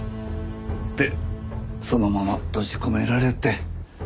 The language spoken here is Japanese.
でそのまま閉じ込められて。